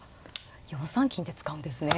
４三金って使うんですね。